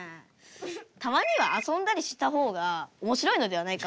たまにはあそんだりした方がおもしろいのではないか。